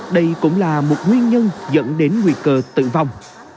đây cũng là một nguyên nhân dẫn đến nguy cơ tử vong